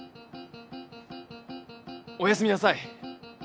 おやすみなさい。